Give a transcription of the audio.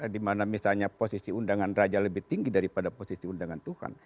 dimana misalnya posisi undangan raja lebih tinggi daripada posisi undangan tuhan